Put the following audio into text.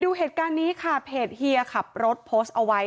ดูเหตุการณ์นี้ค่ะเพจเฮียขับรถโพสต์เอาไว้